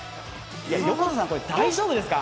横田さん、これ大丈夫ですか？